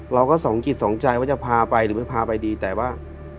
เราก็สองจิตสองใจว่าจะพาไปหรือไม่พาไปดีแต่ว่า